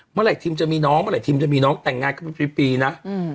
เมื่อไหร่ทีมจะมีน้องเมื่อไหทิมจะมีน้องแต่งงานกันเป็นฟรีนะ